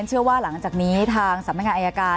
เชื่อว่าหลังจากนี้ทางสำนักงานอายการ